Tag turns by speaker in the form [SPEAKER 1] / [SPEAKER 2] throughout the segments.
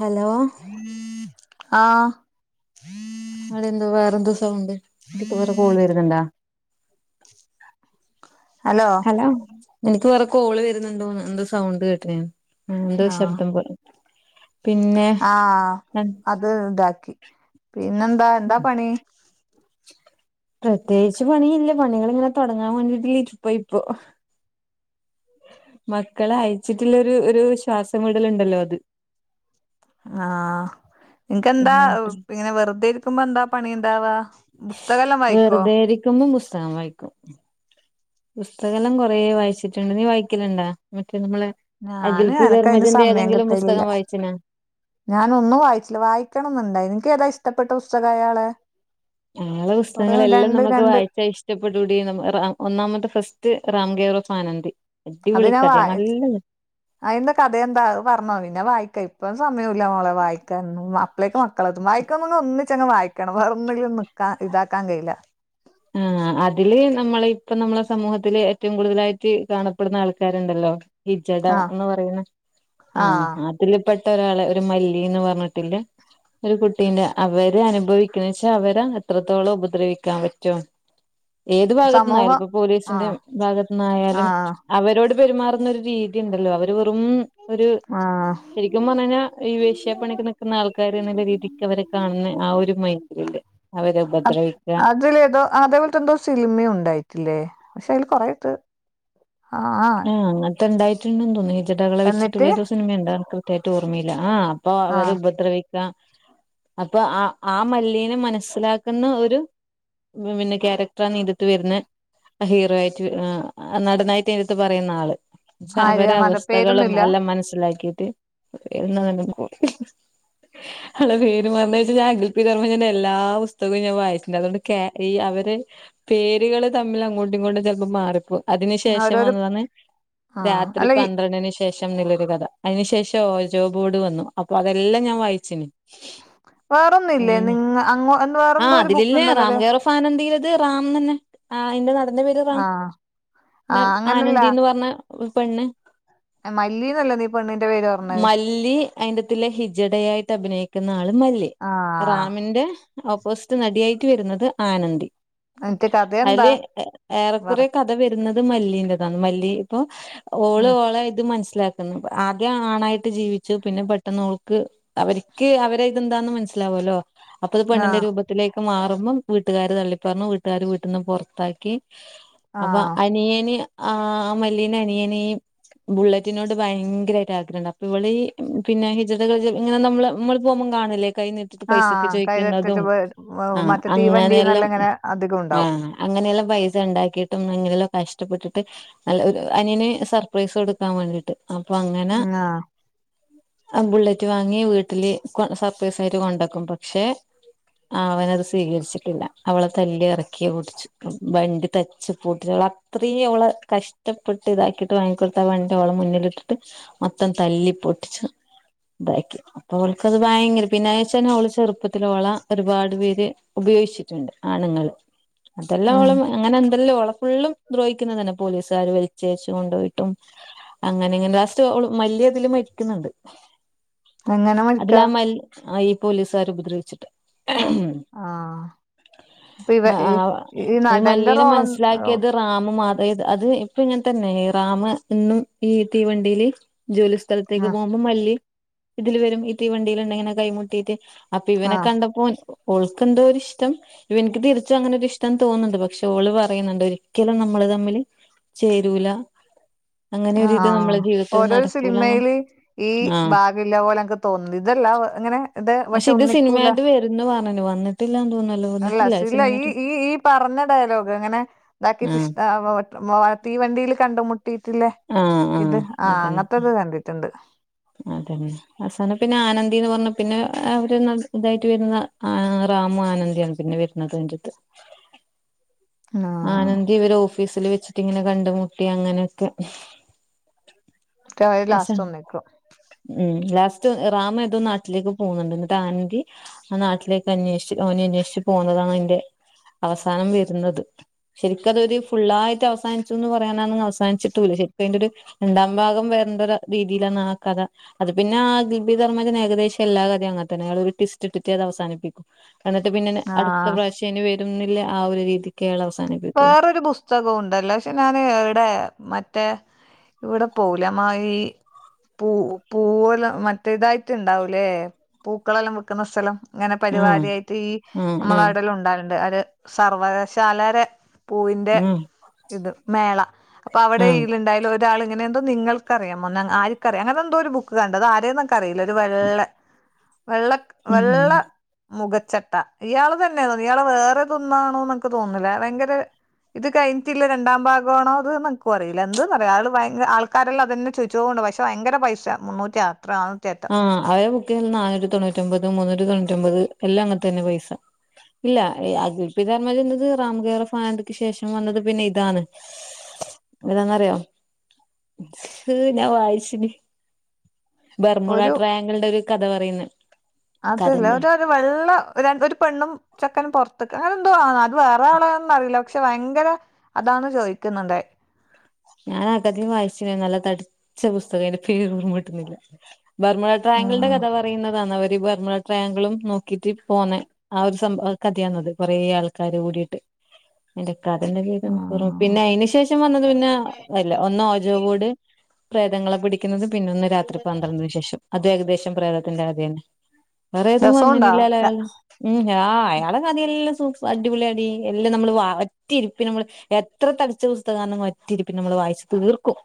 [SPEAKER 1] Hello
[SPEAKER 2] ആഹാ
[SPEAKER 1] അതെന്താ വേറെന്തൊ സൗണ്ട് അയ്ക് വേറെ കോൾ വരണ്ടാ
[SPEAKER 2] ഹലോ
[SPEAKER 1] എനിക്ക് വേറെ കോള് വരുന്നുണ്ടോ എന്ത സൗണ്ട് കേട്ടണാണ് എന്തോ ശബ്ദം പിന്നെ
[SPEAKER 2] ആഹാ അത് ഇതാക്കി പിന്നെന്താ എന്താ പണി
[SPEAKER 1] പ്രത്യേകിച്ച് പണിയില്ലേ പണികളിങ്ങനെ തുടങ്ങാൻ വേണ്ടിയിട്ടില്ല ഇപ്പ ഇപ്പൊ മക്കളെ അയച്ചിട്ടുള്ള ഒരു ശ്വാസംവിടലുണ്ടല്ലോ അത്
[SPEAKER 2] ആഹാ നിനക്ക്ന്താ
[SPEAKER 1] ഉം
[SPEAKER 2] ഇങ്ങനെ വെറുതെ ഇരിക്കുമ്പോ എന്താ പണിയുണ്ടാവാ.
[SPEAKER 1] വെറുതെ ഇരിക്കുമ്പം പുസ്തകം വായിക്കും. പുസ്തക എല്ലാം കൊറ വായിച്ചിട്ടുണ്ട് നീ വായിക്കലണ്ടാ മറ്റേ നമ്മെ അഗിൽ
[SPEAKER 2] ഞാന്
[SPEAKER 1] പി
[SPEAKER 2] എനക്കതിന്
[SPEAKER 1] ധർമ്മജന്റെ ഏതെങ്കിലും പുസ്തകം വായിച്ച്ണോ
[SPEAKER 2] ഞാൻ ഒന്നും വായിച്ചില്ല വായിക്കണംന്നുണ്ടായി നിനക്ക് ഏതാ ഇഷ്ടപ്പെട്ട പുസ്തകം അയാളെ
[SPEAKER 1] ആളെ
[SPEAKER 2] കൊറേ
[SPEAKER 1] പുസ്തകങ്ങളെല്ലാം
[SPEAKER 2] രണ്ട്
[SPEAKER 1] നമുക്ക്
[SPEAKER 2] രണ്ട്
[SPEAKER 1] വായിച്ചാ ഇഷ് ഇഷ്ടപ്പെടൂടി ഒന്നാമത്തെ ഫസ്റ്റ് റാംകെവറോഫ ആനന്ദി
[SPEAKER 2] അത്
[SPEAKER 1] അടിപൊളി
[SPEAKER 2] ഞാൻ
[SPEAKER 1] കഥയാ
[SPEAKER 2] വായി
[SPEAKER 1] നല്ല
[SPEAKER 2] അതിന്റെ കഥയ എന്താ പറഞ്ഞോ പിന്നെ വായിക്കാ ഇപ്പം സമയമ ഇല്ല മോളെ വായിക്കാന്ന് അപ്പളേക്ക് മക്ക [unintelligible] വായിക്കുമ ഒന്നിങ്ങ് വായിക്കണം വേറെന്നെിലും നിക്കാ ഇതാക്കാൻ കഴയില്ല
[SPEAKER 1] ആഹാ അതില് നമ്മള ഇപ്പ നമ്മളെ സമൂഹത്തില്ൽ ഏറ്റവും കൂടുതലായിട്ട് കാണപ്പെടുന്ന ആൾക്കാരുണ്ടല്ലോ ഹിജഡ
[SPEAKER 2] ആഹ്
[SPEAKER 1] എന്ന് പറയുന്ന ആഹാ
[SPEAKER 2] ആഹ്
[SPEAKER 1] അ ത്തിൽ പെട്ട ഒരാളെ ഒരു മല്ലിന്ന് പറഞ്ഞിട്ടില്ലേ ഒരു കുട്ടീന്റെ അവര് അനുഭവിക്കുന്ന വെച്ചാൽ അവര് എത്രത്തോളം ഉപദ്രവിക്കാൻ പറ്റും ഏത് ഭാഗത്തു നിന്നായാലും
[SPEAKER 2] സമൂഹം
[SPEAKER 1] ഇപ്പൊ പോലീസിന്റെ
[SPEAKER 2] ആഹ്
[SPEAKER 1] ഭാഗത്തു നിന്നായാലും
[SPEAKER 2] ആഹ്
[SPEAKER 1] അവരോട് പെരുമാറുന്ന ഒരു രീതിയ ഉണ്ടല്ലോ അവര് വെറും ഒര്
[SPEAKER 2] ആഹ്
[SPEAKER 1] ശരിക്കും പറഞ്ഞിഞ്ഞാൽ ഈ വേശ്യപ്പണിക്ക് നിൽക്കുന്ന ആൾക്കാാര് നല്ല രീതിക്ക് അവരെ കാണുന്ന ആ ഒരു മൈൻഡില്ല്ലേ അവരെ ഉപദ്രവിക്കുകാ
[SPEAKER 2] [inaudible] അതേപോലത്തെ എന്തോ സിൽമയും ഉണ്ടായിട്ടില്ലേ പക്ഷെ അതിൽ കൊറട്ട്
[SPEAKER 1] ആഹ് അങ്ങനത്തെണ്ടായിട്ടുണ്ടന്ന് തോന്നുന്നു ഹിജഡകളെവെച്ചിട്ട്
[SPEAKER 2] എന്നിട്ട്
[SPEAKER 1] ഏതോ സിനിമയണ്ട കൃയമായിട്ട്ഓർമ്മയില്ല ആ. അപ്പൊ അവർ
[SPEAKER 2] ആഹ്
[SPEAKER 1] ഉപദ്രവിക്കാം അപ്പൊ ആ ആ മല്ലിനീനെ മനസ്സിലാക്കുന്ന ഒരു. പിന്നെ ക്യാരക്ടറ നേടുത്ത് വരുന്ന ഹീറോ ആയിട്ട് നടനായിട്ട്. ത്ത് പറയുന്ന ആള് പക്ഷെ അവര
[SPEAKER 2] ആര്യ നട
[SPEAKER 1] അവസ്സ്ഥകളും
[SPEAKER 2] പേരൊന്നുല്ല
[SPEAKER 1] എല്ലാം മനസ്സിലാക്കിട്ട്. എണ നല്ല പോടി.
[SPEAKER 2] [unintelligible]
[SPEAKER 1] അ പേര്മാറഴച്ച ഞാ അഗിൽ പി ർമ്മന്റെ എല്ലാ പുസ്തകവും ഞാൻ വായിച്ചിടുണ്ട് അതുകൊണ്ട് ഈ അവര്. പേരുകൾ തമ്മിൽ അങ്ങോട്ടും ഇങ്ങോട്ടും ചിലപ്പോം മാറിപ്പോ. അതിനന് ശേഷം
[SPEAKER 2] ഓരോരോ
[SPEAKER 1] വന്നതാണ്
[SPEAKER 2] ആഹ്
[SPEAKER 1] രാത്രി
[SPEAKER 2] അല്ല ഈ
[SPEAKER 1] പന്ത്രണ്ടന് ശേഷം. ശേഷം നല്ലൊരു കഥ അതിനു ശേഷം ജോബോട് വന്നു അപ്പൊ അതെല്ലാം ഞാൻ വായിച്ചന്.
[SPEAKER 2] വേറൊന്നുമില്ലേ നി അന്ന് വേറെ എന്തോ ഒരു ബുക്ക് ഉണ്ടല്ലോ അതെ.
[SPEAKER 1] നതിയിലത് റാം തന്നെ ആതിന്റെ.
[SPEAKER 2] ആഹ.
[SPEAKER 1] പിന്നെ ആനന്ദിന്ന് പറഞ്ഞ ഒരു പെണ്.
[SPEAKER 2] മല്ലീന്നലെ നീ പെണ്ണിൻന്റെ പേര് പറഞ്ഞത്.
[SPEAKER 1] മല്ലി അയിന്റെത്തിലെ ഹിജഡയായിട്ട് അഭിനയിക്കുന്ന ആള് മല്ലി
[SPEAKER 2] ആഹ്
[SPEAKER 1] റാമിന്റെ. ഓപ്പോസിറ്റ് നടിയായിട്ട് വരുന്നത് ആനന്ദി
[SPEAKER 2] എന്നിട്ട് കഥ എന്താ
[SPEAKER 1] അതില്
[SPEAKER 2] പറ
[SPEAKER 1] ഏറെക്കുറെ കഥ. വരുന്നത് മല്ലീറതാണ് മല്ലി ഇപ്പോ ഓ
[SPEAKER 2] ഉം
[SPEAKER 1] ഓള മനില. ആദ്യ ആണായിട്ട് ജീവിച്ചു പിന്നെ പെട്ടെന് ഓൾക്ക്. അവർക്ക് അവര ഇതെന്താന്ന് മനസ്സിലാാവല്ലോ അപ്പത് പെണ്ണിന്റെ
[SPEAKER 2] ആഹ്
[SPEAKER 1] രൂപത്തി. വീട്ടിലേക്ക് മാറുമ്പോം വീട്ടുകാാര് തള്ളി പററഞ്ഞു വീട്ടുകാർ വീട്ടിൽന്ന് പുറത്താക്കി അപ്പൊ.
[SPEAKER 2] ആഹ്
[SPEAKER 1] അനിയന് ആ മല്ലീന്റെ അനിയനെയും ബുള്ളറ്റിനോട് ഭയങ്കരായിട്ട് ആഗ്രഹണ്ട് അപ്പൊ ഇവള് ഈ പിന്നെ ഹിജടകൾ ഇങ്ങനെ നമ്മള് നമ്മൾ പോവുമ്പോ കാണല്ലേ കൈതട്ടി പൈസൊക്കെ
[SPEAKER 2] ആഹ് കൈതട്ടല്
[SPEAKER 1] ചോയ്ക്കുന്നതും ആഹ
[SPEAKER 2] മറ്റേ
[SPEAKER 1] അങ്ങനെയെല്ലാം
[SPEAKER 2] തീവണ്ടിന്നല്ലാം ഇങ്ങനെ അധികം ഉണ്ടാവും
[SPEAKER 1] ആഹ അങ്ങനെയെല്ലാം പൈസ ഉണ്ടാക്കിയിട്ടും അങ്ങനെയ കഷ്ടപ്പെട്ടിട്ട് നല്ല ഒരു അനിയന് സർപ്രൈസ് കൊടുക്കാൻ വേണ്ടിട്ട് അപ്പൊ അങ്ങനെ
[SPEAKER 2] ആഹ്
[SPEAKER 1] ആഹ ബുള്ളറ്റ് വാങ്ങി വീട്ടില് സർപ്രൈസ് ആയിട്ട് കൊണ്ടക്കും പക്ഷെ ആഹ അവനത് സ്വീകരിച്ചിട്ടില്ല അവളെ തല്ലി ഇറക്കിയ ഓടിച്ചു വണ്ടി തച്ച് പൊട്ടിള്ള അത്രീം ഓള് കഷ്ടപ്പെട്ട് ഇതാക്കിട്ട് വാങ്ങിക്കൊടുത്ത വണ്ടി ഓളെ മുന്നിലിട്ടിട്ട് മൊത്തം തല്ലി പൊട്ടിച്ചു ഇതാക്കി അപ്പൊ അവൾക്കത് ഭയങ്കര പിന്നെ വെച്ച അവള് ചെറുപ്പത്തിലോള ഒരുപാട് പേര് ഉപയോഗിച്ചിട്ടുണ്ട് ആണുങ്ങൾ അതെല്ലാം ഓള
[SPEAKER 2] ഉം
[SPEAKER 1] അങ്ങനെ എന്തെല്ലാം ഓളെ ഫുള്ളും ദ്രോഹിക്കുന്നത് തന്നെ പോലീസുകാര് വലിച്ചേച്ചു കൊണ്ടോയിട്ടും അങ്ങനെ ഇങ്ങനെ ലാസ്റ്റ് ഓള് മല്ലി അതില് മരിക്കുന്നുണ്ട്
[SPEAKER 2] എങ്ങനെ മരിക്കാ
[SPEAKER 1] അതിലാ മല്ഈ പോലീസുകാർ ഉപദ്രവിച്ചിട്ട്
[SPEAKER 2] ആഹ് അപ്പൊ ഇവ ഈ
[SPEAKER 1] ആഹാ
[SPEAKER 2] ഈ നടന്റെ
[SPEAKER 1] മല്ലീനെ
[SPEAKER 2] റോളം
[SPEAKER 1] മനസ്സിലാക്കിയത് റാംമാത്രം അത് ഇപ്പൊ ഇങ്ങനെ തന്നെ റാമ ഇന്നും ഈ തീവണ്ടിയില് ജോലി സ്ഥലത്തേക്ക്
[SPEAKER 2] ആഹ്
[SPEAKER 1] പോകുമ്പോ മല്ലി ഇതില് വരും ഈ തീവണ്ടിലന്നെ ഇങ്ങനെ കൈമുട്ടീയിട്ട് അപ്പൊ ഇവനെ
[SPEAKER 2] ആഹ്
[SPEAKER 1] കണ്ടപ്പോൾ ഓൾക്കെന്തോ ഒരു ഇഷ്ടം ഇപ്പം ഇവനിക്ക് തിരിച്ചും അങ്ങനെ ഒരു ഇഷ്ടം തോന്നുന്നുണ്ട് പക്ഷെ ഓള് പറയുന്നുണ്ട് ഒരു രിക്കലും നമ്മള് തമ്മില് ചേരൂല അങ്ങനെ
[SPEAKER 2] ആഹ
[SPEAKER 1] ഒരിത് നമ്മളെ ജീവിതത്തിൽ
[SPEAKER 2] ഓരോ
[SPEAKER 1] നടക്കൂല
[SPEAKER 2] സിനിമയില് ഈ
[SPEAKER 1] ആഹ്
[SPEAKER 2] ബാഗില്ല പോലെ ഇക്ക് തോന്നും ഇതല്ല ഇങ്ങനെ ഇത് പക്ഷെ ഒന്നിക്കൂല
[SPEAKER 1] ന്ന് പറഞ്ഞു വന്നിട്ടില്ലാന്ന് തോന്നല്ലോ
[SPEAKER 2] അല്ല
[SPEAKER 1] വന്നിട്ടില്ല
[SPEAKER 2] [inaudible] ഈ
[SPEAKER 1] സിനിമയായിട്ട്
[SPEAKER 2] ഈ ഈ പറഞ്ഞ ഡയലോഗ് അങ്ങനെ ഇതാക്കി
[SPEAKER 1] ആഹ്
[SPEAKER 2] തീവണ്ടില് കണ്ട്മുട്ട ട്ടീട്ടില്ലേ ഇത്
[SPEAKER 1] ആഹ്
[SPEAKER 2] ആഹ അങ്ങനത്തെത് കണ്ടിട്ടുണ്ട്
[SPEAKER 1] അതെ അവസാനം പിന്നെ ആനന്ദി എന്ന് പറഞ്ഞ് പിന്നെ അവര് ഇതായിട്ട് വരുന്ന ആ റാമും ആനന്ദിയാണ് പിന്നെ വരുന്നത് കണ്ടിട്ട്
[SPEAKER 2] ആഹ്
[SPEAKER 1] ആനന്ദി ഇവര് ഓഫീസിൽ വെച്ചിട്ട് ഇങ്ങനെ കണ്ടുമുട്ടി അങ്ങനെയൊക്കെ
[SPEAKER 2] [unintelligible]
[SPEAKER 1] പക്ഷെ
[SPEAKER 2] ലാസ്റ്റ് ഒന്നിക്കും
[SPEAKER 1] ഉം ലാസ്റ്റ് റാമ് ഏതോ നാട്ടിലേക്ക് പോകുന്നുണ്ട് എന്നിട്ട് ആനന്ദി ആ നാട്ടിലേക്ക് അന്വേഷിച്ച് ഓനിം അന്വേഷിച്ചു പോവുന്നതാണ് അയ്ന്റെ അവസാനം വരുന്നത് ശരിക്കതൊരു ഫുള്ളായിട്ട് അവസാനിച്ചുന്ന് പറയാനാണും അവസാനിച്ചിട്ടൂല്ല ശരിക്കും അതിന്റെ ഒര്ത് രണ്ടാം ഭാഗം വരണ്ടൊരു രീതിയിലാണ് ആ കഥ അത് പിന്നെ ദിബിധർമ്മന്റെ ഏകദേശം എല്ലാ കഥിം അങ്ങന തന്നെ അയാള് ഒരു ടിസ്റ്റ് ഇട്ട് അത് അവസാനിപ്പിക്കും എന്നിട്ട് പിന്നെ അടുത്ത
[SPEAKER 2] ആഹ്
[SPEAKER 1] പ്രാവശ്യം ഇനി വരുന്നില്ലെ ആ ഒരു രീതി
[SPEAKER 2] വേറൊരു പുസ് പുസ്തകം ഉണ്ടല്ലോ പക്ഷെ ഞാൻ ഇവിടെ മറ്റേ ഇവിടെ പോവൂലെ മായി പൂ പൂവെല്ലാം മറ്റേതായിട്ട് ഇണ്ടാവൂലേ പൂക്കളെല്ലാം വിക്കുന്ന സ്ഥലം ഇങ്ങനെ
[SPEAKER 1] ആഹ്
[SPEAKER 2] പരിപാടിയായിട്ട് ഈ
[SPEAKER 1] ആഹ്
[SPEAKER 2] നമ്മളെ
[SPEAKER 1] ആഹ്
[SPEAKER 2] ഇവിടെല്ലേം ഇണ്ടാവല്ണ്ട് അവര് സർവകശാലരെ പൂവിന്റെ
[SPEAKER 1] ആഹ്
[SPEAKER 2] ഇത് മേള അപ്പൊ അവിടെ
[SPEAKER 1] ആഹ്
[SPEAKER 2] ഈല് ഉണ്ടായാലും ഒരു ഒരാൾ ഇങ്ങനെ എന്തോ നിങ്ങൾക്കറിയാമോ നങ്ങ ആര്ക്ക്റിയാം അങ്ങനെന്തോ ഒരു ബുക്ക് കണ്ട് അത് ആരെ അറില്ല ഒരു വെള്ള വെള്ള
[SPEAKER 1] ഉം
[SPEAKER 2] വെള്ള മുഖച്ചട്ട ഇയാള് തന്നെ തോന്നി ഇയാള് വേറെതൊന്നാണോ ഇന്ക്ക് തോന്നില്ല ഭയങ്കര ഇത് കഴിഞ്ഞിട്ടില്ലെ രണ്ടാം ഭാഗമാണോ അത് ന്ന് ഇനിക്കും അറിയില്ല എന്ത് പറയാ ആൾ ഭയങ്ക ആൾ അൾക്കാരെല്ലാം അതെന്നെ ചോയ്ച്ചോണ്ട് പക്ഷേ ഭയങ്കര പൈസ മുന്നൂറ്റി അത്ര ആ
[SPEAKER 1] ആഹ് അവ്‌രെ ബുക്ക്നൊ ആയിരത്തി തൊണ്ണൂറ്റി ഒമ്പത് മുന്നൂറ്റി തൊണ്ണൂറ്റി ഒമ്പത് എല്ലാം അങ്ങൻത്തന്നെ പൈസ. ഇല്ല അഗൽപി ധർമ്മചെന്നത് റാംകെറാഫാനതിക്ക് ശേഷം വന്നത് പിന്നെ ഇതാണ്. എന്തിനാന്നറിയോ സ് ഞാൻ വായിച്ച്ണ്. ബർമുട
[SPEAKER 2] ഒരു
[SPEAKER 1] ട്രയാങ്കള്ടെ ഒരു കഥ പറയുന്നെ കഥന്നെ.
[SPEAKER 2] ഒര് വെള്ള ഒരു പെണ്ണും ചെക്കനും പൊർത്ത്ക്കാ അങ്ങനെ എന്തോ ആണ് വേറെ ആളന്നറിയില്ല. പക്ഷെ വയങ്കര അതാണ് ചോയ്ക്കുന്നുണ്ടായ്.
[SPEAKER 1] ഞാൻ അഗതിം വായിച്ച്ണ് നല്ല തടിച്ച പുസ്തകേനി പേര് ഓർമട്ട്ണില്ല ബർ ട്രയാങ്ക്ൽടെ
[SPEAKER 2] ഉം
[SPEAKER 1] കഥ പറയുന്നതാന്ന് അവര് ഈ ബർമ്മള ട്രാങ്കളും നോക്കിട്ട് പോന്നെ ആ ഒരു സംഭവ ഹ് കഥിയാന്നത് കൊറേ ആൾക്കാര് കൂടിട്ട് അയ്ന്റെ കഥന്റെ പേര് എൻക്കോർമ്മ
[SPEAKER 2] ഉം
[SPEAKER 1] പിന്നെ അയ്ന് ശേഷം വന്നത് പിന്നെ അല്ല ഒന്ന് ഓജോ ബോട് പ്രേതങ്ങളെ പിടിക്കുന്നത് പിന്നെ ഒന്ന് രാത്രി പന്ത്രണ്ടിനു ശേഷം അത് ഏകദേശം പ്രേതത്തിന്റെ കഥന്നെ.
[SPEAKER 2] [inaudible]
[SPEAKER 1] വേറേതും
[SPEAKER 2] രസമുണ്ടാ
[SPEAKER 1] വന്നിലില്ല അലയാള് ഉം ആഹ് അയാളെ കഥയെല്ലാം സൂ അടിപൊളിയാടി എല്ലാം നമ്മള് വ ഒറ്റിരിപ്പിന് മ്മള് എത്ര തടിച്ച പുസ്തകാന്നെ ഒറ്റിരിപ്പിന് നമ്മള് വായിച്ചു തീർക്കും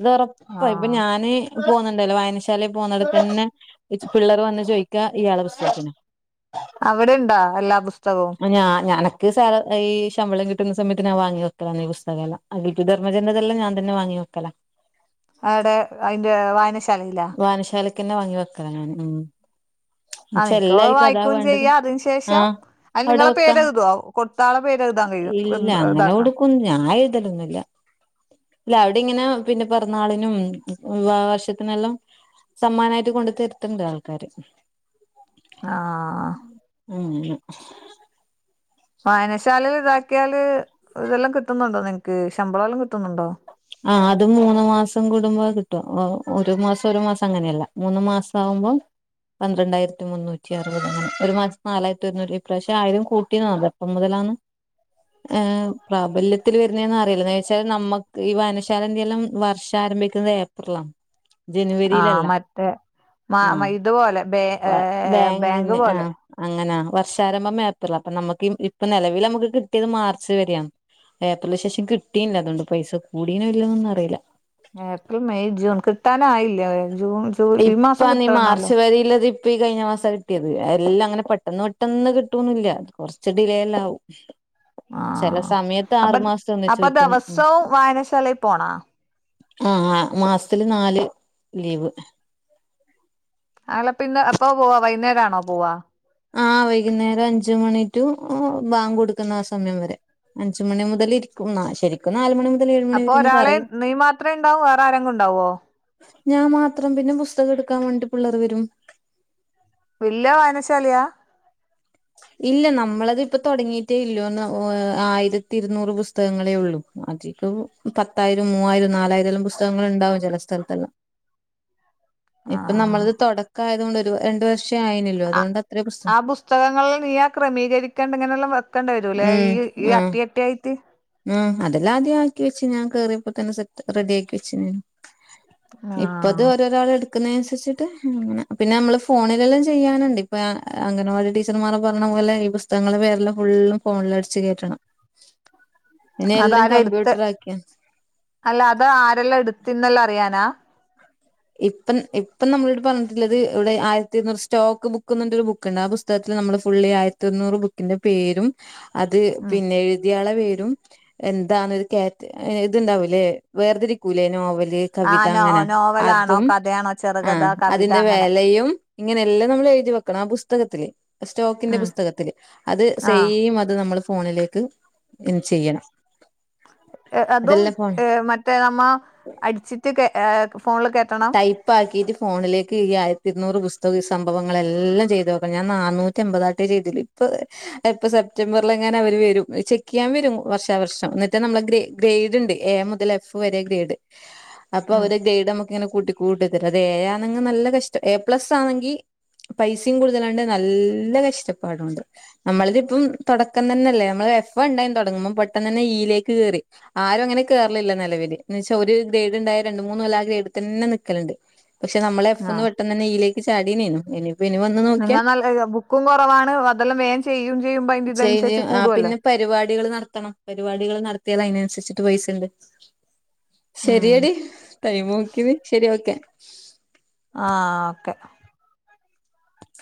[SPEAKER 1] അതൊറപ്പ ഇപ്പൊ
[SPEAKER 2] ആഹ്
[SPEAKER 1] ഞാന് പോവുന്നുണ്ടല്ലോ വായനശാല പോകുന്നിടത്തന്നെ. ഇച് പിള്ളേര് വന്ന് ചോയ്ക്കാ ഇയാളെ പുസ്തകത്തിന.
[SPEAKER 2] അവിടെ ഇണ്ടാ എല്ലാ പുസ്തകവും.
[SPEAKER 1] ഇൻക് സാ ഈ ശമ്പളം കിട്ടുന്ന സമയത്ത് ഞാൻ വാങ്ങി വെക്കാലാണ് ഈ പുസ്തകെല്ല അത് സുധർമ്മജന്റെതെല്ലാം ഞാൻ തന്നെ വാങ്ങി വെക്കലാ
[SPEAKER 2] ആഹ ഏടെ അയ്ന്റെ വായന ശാലീലാ.
[SPEAKER 1] വാനനശാല ക്കെന്നെ വങ്ങി വെക്കലാ ഞാൻ ഉം
[SPEAKER 2] ആഹ
[SPEAKER 1] പക്ഷെ
[SPEAKER 2] ഇനിക്ക്ത്
[SPEAKER 1] എല്ലാർക്കും അതാ
[SPEAKER 2] വായിക്കും
[SPEAKER 1] വേണ്ടത്
[SPEAKER 2] ചെയ്യാ അതിന് ശേഷം
[SPEAKER 1] ആഹ്
[SPEAKER 2] അത്
[SPEAKER 1] അവിടെ
[SPEAKER 2] നിങ്ങളെ പേര്
[SPEAKER 1] വെക്കാം
[SPEAKER 2] എഴുതോ കൊടുത്ത ആളെ പേരെഴുതാൻ കഴിയേ
[SPEAKER 1] ഇല്ല
[SPEAKER 2] [unintelligible] ഇതാക്കാൻ.
[SPEAKER 1] [unintelligible] ഞാൻ എഴുതലൊന്നുല്ല ഇല്ല അവ്ടെങ്ങനെ പിന്നെ പെറന്നാളിനും വിവാഹ വാർഷിത്തിനെല്ലാം സമ്മാനായിട്ട് കൊണ്ട് തര്ത്ത്ണ്ട് ആൾക്കാര്
[SPEAKER 2] ആഹാ
[SPEAKER 1] ഉം ന്.
[SPEAKER 2] വായനശാലേൽ ഇതാക്കിയാല് ഇതെല്ലാം കിട്ടുന്നുണ്ടോ നിങ്ങക്ക് ശമ്പള എല്ലാം കിട്ടുന്നുണ്ടോ?
[SPEAKER 1] ആ അതും മൂന്ന് മാസം കൂടുംമ്പം കിട്ടും ഒരു മാസം ഒരു മാസം അങ്ങനെയല്ല. മൂന്ന് മാസം ആവുമ്പം. പന്ത്രണ്ടായിരത്തി മുന്നൂറ്റി അറുപത് അങ്ങനെ ഒരു മാസം നാലായിരത്തി ഒരുന്നൂറ്റി ഇപ്രാവ്ശ്യം ആയിരം കൂട്ടിന്ന്. [unintelligible] എപ്പം മുതലാണ് ഹ് പ്രാബല്യത്തിൽ വരുന്നേന്ന് അറിയില്ല ഐന്ന്ച്ചാൽ നമ്മ. ക്ക് ഈ വായനശാലന്റെയെല്ലാം വർഷം ആരംഭിക്കുന്നത് ഏപ്രിലാ
[SPEAKER 2] ആഹ് മറ്റേ
[SPEAKER 1] ആഹ്
[SPEAKER 2] മഇതുപോലെ ബേബേങ്ക്
[SPEAKER 1] ബാങ്കിന്
[SPEAKER 2] പോലെ.
[SPEAKER 1] ആഹ് അങ്ങനാ വർഷാരംഭം ഏപ്രിലാ അപ്പൊ നമുക്ക് ഇപ്പൊ നെലവിൽ നമുക്ക് കിട്ടിയത് മാർച്ച് വരെയാണ് ഏപ്രിൽ ശേഷം കിട്ടിയില്ല അതുകൊണ്ട് പൈസ കൂടീനൊ ഇല്ലൊന്നും അറിയില്ല.
[SPEAKER 2] ഏപ്രിൽ, മെയ്, ജൂൺ കിട്ടാനായില്ല ഹ് ജൂൺ. ജൂലൈ ഈ മാസം
[SPEAKER 1] ഇപ്പ നീ
[SPEAKER 2] കിട്ടണല്ലോ
[SPEAKER 1] മാർച്ച് വരിയില്ലത്. ഇപ്പ ഈ കഴിഞ്ഞ മാസാ കിട്ടിയത് എല്ലാം അങ്ങനെ പെട്ടെന്ന് പെട്ടെന്ന് കിട്ടൊന്നുല്ല കൊർച്ച് ഡിലേ അല്ലാവും. [inaudible] ചെല
[SPEAKER 2] ആഹ്
[SPEAKER 1] സമയത്ത്
[SPEAKER 2] അപ്പൊ
[SPEAKER 1] ആറുമാസത്തെ ഒന്നിച്ച്
[SPEAKER 2] അപ്പൊ
[SPEAKER 1] കിട്ടും.
[SPEAKER 2] ദിവസവും വായനശാലയിൽ പോണോ
[SPEAKER 1] ആ ആഹ് മാസത്തില് നാല് ലീവ്.
[SPEAKER 2] ആളെ പിന്ന് അപ്പൊ വൈകുന്നേ രാണോ പോവാ?
[SPEAKER 1] ആഹ് വൈകുന്നേരം അഞ്ച് മണി റ്റു ബാങ്ക് കൊടുക്കുന്ന ആ സമയം വരെ. അഞ്ചുമണി മുതൽ ഇരിക്കും ആ ശെരി. ക്ക് നാല്മണി മുതൽ. മണി
[SPEAKER 2] അപ്പൊ
[SPEAKER 1] വരെന്ന്
[SPEAKER 2] ഒരാളെ
[SPEAKER 1] പറയും
[SPEAKER 2] നീ മാത്രേ ഉണ്ടാവൂ വേറെ ആരെങ്കിലും ഉണ്ടാവൊ?
[SPEAKER 1] ഞാൻമാത്രം പിന്നെ പുസ്തകം എടുക്കാൻ വേണ്ടി പുള്ളര് വരും
[SPEAKER 2] വല്ല്യ വായനശാലയാ
[SPEAKER 1] ഇല്ല നമ്മളത് ഇപ്പ തൊടങ്ങിയിട്ടേ ള്ളു ഒന്ന് ആയിരത്തി ഇരുന്നൂറ് പുസ്തകങ്ങളേ ഒള്ളൂ അധികവും പത്തായിരം മൂവ്വായിരം നാലായിരം എല്ലാം പുസ്തകങ്ങള്ണ്ടാവും ചെല സ്ഥലത്തെല്ലാം
[SPEAKER 2] ഉ [inaudible]
[SPEAKER 1] ഇപ്പൊ നമ്മളത് തൊടക്കായതോണ്ട് ഒരു രണ്ടു വർഷം ആയന്നെള്ളു അതുകൊണ്ട് അത്രയും പ്രശ്നം
[SPEAKER 2] പുസ്തകങ്ങളെല്ലാം നീ ആ ക്രമീകരിക്കേണ്ട ഇങ്ങനെല്ലാം വെക്കേണ്ടി വരൂല്ലേ ഈ ഈ അട്ടി അട്ടിയായി
[SPEAKER 1] ആ അതെല്ലാ ആദ്യം ആക്കി വെച്ച് ഞാൻ കേറിയപ്പതന്നെ സെറ്റ് റെഡിയാക്കി വെച്ണ് ഇപ്പത്
[SPEAKER 2] ആഹ്
[SPEAKER 1] ഓരോരാള് എട് കുന്നതിനനുസരിച്ചിട്ട് അങ്ങനെ പിന്നെ നമ്മള് ഫോണിലെല്ലാം ചെയ്യാനുണ്ട് ഇപ്പൊ അംഗന വാടി ടീച്ചർക്ക് ച്ചർമാര് പറിണ പോലെ ഈ പുസ്തകങ്ങളെ പേരെല്ലാം ഫുള്ളും ഫോൺല് അടിച്ച് കേറ്റണം
[SPEAKER 2] അതാരാ ഇട്ത്ത്
[SPEAKER 1] കമ്പ്യൂട്ടർ ആക്കിയ
[SPEAKER 2] അല്ല അത് ആരെല്ലാം ഇട്ത്ത്ന്നെല്ലാം അറിയാനാ
[SPEAKER 1] ഇപ്പം ഇപ്പം നമ്മളോട് പറഞ്ട്ടുള്ളത് ഇവ്ടെ ആയിരത്തി ഇരുന്നൂറ് സ്റ്റോക്ക് ബുക്ക്ന്ന്ർഞ്ട്ട്ള്ളൊരു ബുക്ക്ണ്ട് ആ പുസ് പുസ്തകത്തിൽ നമ്മള് ഫുള്ളി ആയിരത്തി ഒര്നൂറ് ബുക്കിന്റെ പേരും അത്
[SPEAKER 2] ഉം
[SPEAKER 1] പിന്നെഴു തി യാളെ പേരും എന്താന്നൊരു കേ ഏ ഇത്ണ്ടാവൂല്ലേ വേർതിരിക്കൂലെ നോവല്
[SPEAKER 2] ആ
[SPEAKER 1] കവിത
[SPEAKER 2] നോ നോവലാണോ കഥയാണോ
[SPEAKER 1] ആ
[SPEAKER 2] ചെറുകഥ കവിത
[SPEAKER 1] അതിന്റെ
[SPEAKER 2] അങ്ങനെ
[SPEAKER 1] വെലയും ഇങ്ങനെയെല്ലാം നമ്മൾ എഴുതി വെക്കണം ആ പുസ്തകത്തില് സ്റ്റോക്കിന്റെ
[SPEAKER 2] ഉം
[SPEAKER 1] പുസ്തകത്തില് അത്
[SPEAKER 2] ആഹ്
[SPEAKER 1] സെയിം അത് നമ്മൾ ഫോണിലേക്ക് ഇൻ ചെയ്യണം
[SPEAKER 2] ഏ അതും
[SPEAKER 1] അതെല്ലാം ഫോൺ
[SPEAKER 2] ഹ് മറ്റേ നമ്മ അട്ച്ചിട്ട് കേ ഹ് ഫോണിൽ കേറ്റണോ?
[SPEAKER 1] ഇപ്പാക്കിട്ട് ഫോണിലേക്ക് ഈ ആയിരത്തി ഇരുന്നൂറ് പുസ്തകം ഈ സംഭവങ്ങളെല്ലാം ചെയ്തു വെ ക്കണം ഞാൻ നന്നൂറ്റി എമ്പതാട്ടെ രീതീൽ ഇപ്പൊ ഇപ്പൊ സെപ്റ്റംബർല് എങ്ങാന വര് വരും ചെക്കെയ്യാൻ വരും വർഷാവർഷം എന്നിട്ട് നമ്മളെ ഗ്രെ ഗ്രേഡ്ണ്ട് എ മുതൽ എഫ് വരെ ഗ്രേഡ് അപ്പൊ
[SPEAKER 2] ഉം
[SPEAKER 1] അവര് ഗ്രേഡ് നമുക്ക് ഇങ്ങനെ കൂട്ടി കൂട്ടിതരും അത് ഏ ആണെങ്കി നല്ല കഷ്ട്ടം എ പ്ലസ് ആണെങ്കി പൈസിം കൂടുതലാണ്ട് നല്ല കഷ് ട്ട പ്പാടുണ്ട് നമ്മളിതിപ്പം തൊടക്കം തന്നെല്ലേ നമ്മള് എഫ് ണ്ടായി തൊടങ്ങുമ്പ പെട്ടെന്ന് തന്നെ ഈയിലേക്ക് കേറി ആരും അങ്ങനെ കേറലില്ല നെലവി ൽ എന്ന് വെച്ചാ ഒരു ഗ്രേഡ് ണ്ടായ രണ്ട് മൂന്ന് കൊല്ല ആ ഗ്രേഡ് തന്നെ നിക്കല്ണ്ട് പക്ഷെ നമ്മള് എഫ് ന്ന്
[SPEAKER 2] ആഹ്
[SPEAKER 1] പെട്ടെന്നന്നെ ഈയിലേക്ക് ചാടീന്നേനു
[SPEAKER 2] നിങ്ങൾ നല്ല ബുക്കും കൊറവാണ് അതെല്ലാം വേം ചെയ്യും ചെയ്യുമ്പൊ അയ്ന്റെ ഇതനുസരിച്ച് കൂടോല്ലോ
[SPEAKER 1] പരിപാടികള് നടത്തണം പരിപാടികള് നടത്തിയാൽ അയ്നനുസര്ച്ട്ട് പൈസണ്ട്
[SPEAKER 2] ഉം
[SPEAKER 1] ശെരിയെടി ടൈം നോക്കീ നീ ശെരി ഓക്കെ
[SPEAKER 2] ആ ഓക്കെ